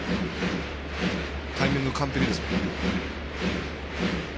タイミング完璧です。